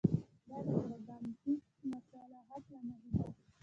دا د پراګماټیک مصلحت له مخې ده.